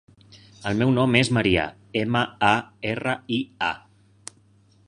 El meu nom és Maria: ema, a, erra, i, a.